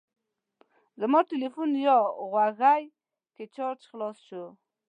زما تلیفون یا غوږۍ کې چارج خلاص شو.